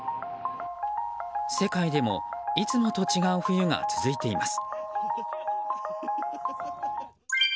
世界でもいつもと違う冬が続いています。